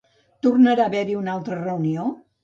Tornarà a haver-hi una altra reunió?